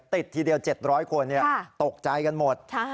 ทีเดียว๗๐๐คนตกใจกันหมด